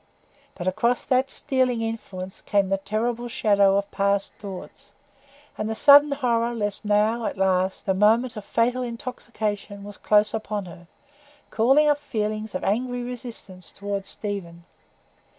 But across that stealing influence came the terrible shadow of past thoughts; and the sudden horror lest now, at last, the moment of fatal intoxication was close upon her, called up feelings of angry resistance toward Stephen.